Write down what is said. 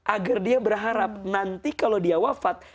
agar dia berharap nanti kalau dia wafat